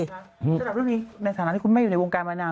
สำหรับเรื่องนี้ในฐานะที่คุณแม่อยู่ในวงการมานาน